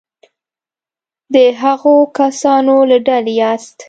د هغو کسانو له ډلې یاست.